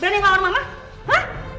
berani ngawur mama hah